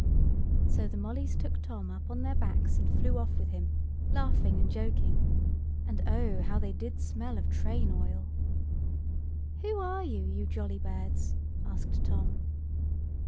So the mollys took Tom up on their backs, and flew off with him, laughing and joking—and oh, how they did smell of train oil! "Who are you, you jolly birds?" asked Tom.